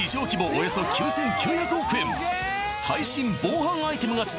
およそ９９００億円